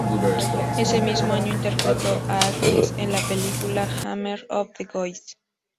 Ese mismo año interpretó a Agnes en la película "Hammer of the Gods".